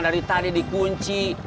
dari tadi di kunci